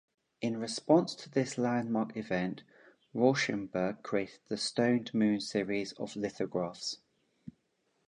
In response to this landmark event, Rauschenberg created his "Stoned Moon Series" of lithographs.